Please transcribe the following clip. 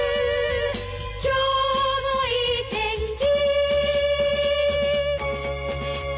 「今日もいい天気」